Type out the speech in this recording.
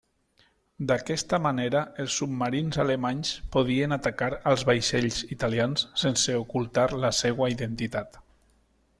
D'aquesta manera, els submarins alemanys podien atacar als vaixells italians sense ocultar la seva identitat.